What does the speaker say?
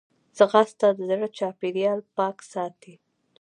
ځغاسته د زړه چاپېریال پاک ساتي